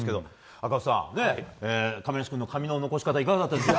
赤星さん、亀梨君の髪の残し方いかがでしたか。